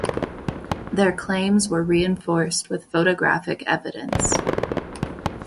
Their claims were reinforced with photographic evidence.